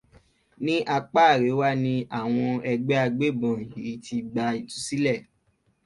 Ní apá àríwá ni àwọn ẹgbẹ́ agbébọn yìí ti gba ìtúsílẹ̀.